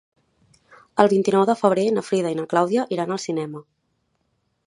El vint-i-nou de febrer na Frida i na Clàudia iran al cinema.